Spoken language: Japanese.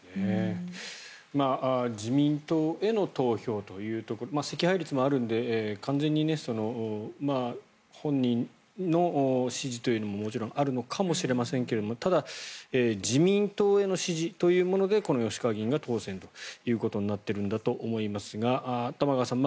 自民党への投票というところ惜敗率もあるので完全に本人の支持というのももちろんあるのかもしれませんがただ自民党への支持というものでこの吉川議員が当選ということになっているんだと思いますが玉川さん